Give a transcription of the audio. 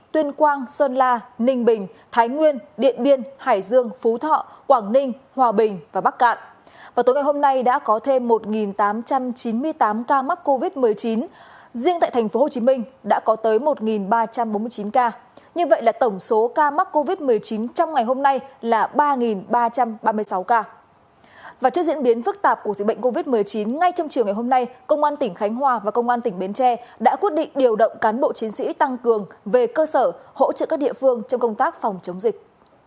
trong dịch bệnh covid một mươi chín ngay trong chiều ngày hôm nay công an tỉnh khánh hòa và công an tỉnh bến tre đã quyết định điều động cán bộ chiến sĩ tăng cường về cơ sở hỗ trợ các địa phương trong công tác phòng chống dịch